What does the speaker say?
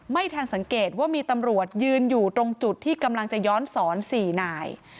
ไม่ทันสังเกตว่ามีตำรวจยืนอยู่ตรงจุดที่กำลังจะย้อนสอน๔นาย